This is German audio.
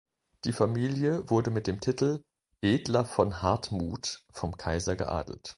Die Familie wurde mit dem Titel „Edler von Hardtmuth“ vom Kaiser geadelt.